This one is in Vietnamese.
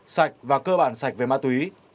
sạch và cơ bản sạch về ma túy